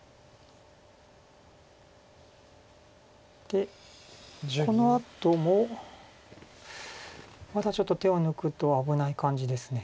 でこのあともまだちょっと手を抜くと危ない感じです。